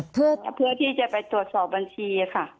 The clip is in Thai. เพื่อที่จะไปตรวจสอบบัญชีค่ะ